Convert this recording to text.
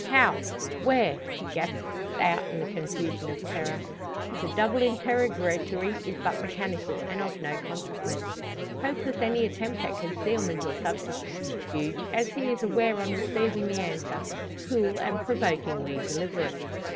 "How where?" he gasps out in the confusion of terror. The double interrogatory is but mechanical, and of no consequence. Hopeless any attempt at concealment or subterfuge; as he is aware on receiving the answer, cool and provokingly deliberate.